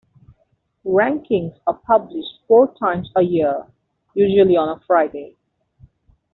Rankings are published four times a year, usually on a Friday.